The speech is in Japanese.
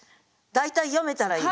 大体読めたらいい。